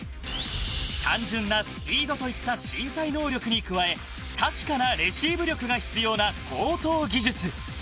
単純なスピードといった身体能力に加え確かなレシーブ力が必要な高等技術。